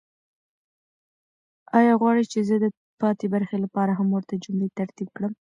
آیا غواړئ چې زه د پاتې برخې لپاره هم ورته جملې ترتیب کړم؟